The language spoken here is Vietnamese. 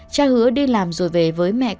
cha hứa đi làm rồi về với mẹ con